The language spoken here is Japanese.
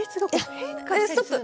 ストップ！